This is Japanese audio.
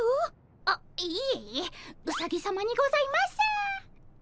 あっいえいえうさぎさまにございます！